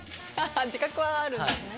自覚はあるんですね。